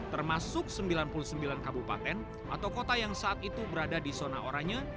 termasuk sembilan puluh sembilan kabupaten atau kota yang saat itu berada di zona oranye